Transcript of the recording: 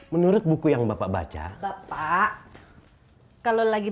menurut buku table of manner yang bapak baca perempuan itu ga baik kalo makannya bunyi